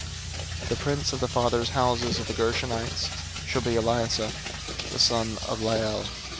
003:024 The prince of the fathers' house of the Gershonites shall be Eliasaph the son of Lael.